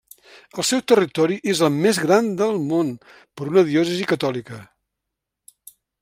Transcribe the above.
El seu territori és el més gran del món per una diòcesi catòlica.